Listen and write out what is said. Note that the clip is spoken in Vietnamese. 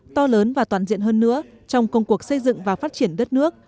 to lớn và toàn diện hơn nữa trong công cuộc xây dựng và phát triển đất nước